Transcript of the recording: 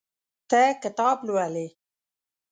ته کتاب لولې.